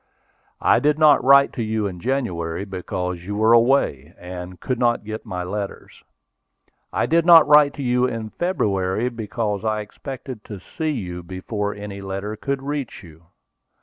"I did not write to you in January because you were away, and could not get my letters. I did not write to you in February, because I expected to see you before any letter could reach you.